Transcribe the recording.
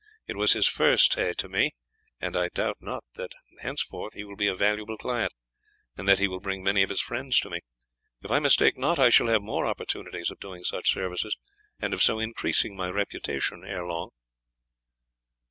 It was his first A to me, and I doubt not that henceforth he will be a valuable client, and that he will bring many of his friends to me. If I mistake not, I shall have more opportunities of doing such services and of so increasing my reputation ere long."